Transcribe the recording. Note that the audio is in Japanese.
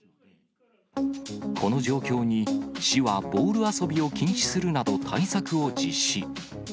この状況に市は、ボール遊びを禁止するなど対策を実施。